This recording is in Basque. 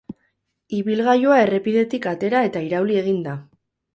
Ibilgailua errepidetik atera eta irauli egin da.